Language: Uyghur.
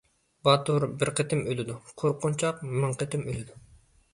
باتۇر بىر قېتىم ئۆلىدۇ، قورقۇنچاق مىڭ قېتىم ئۆلىدۇ.